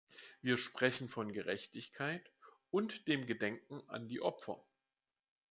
Wir sprechen von Gerechtigkeit und dem Gedenken an die Opfer.